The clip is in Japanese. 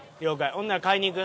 ほんなら買いに行く？